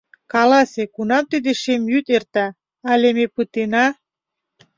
Каласе, кунам тиде шем йӱд эрта, але ме пытена?